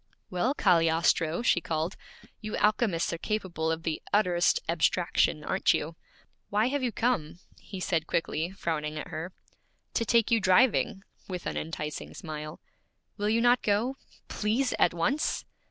'Well, Cagliostro!' she called. 'You alchemists are capable of the utterest abstraction, aren't you?' 'Why have you come?' he said quickly, frowning at her. 'To take you driving,' with an enticing smile. 'Will you not go? Please, at once?'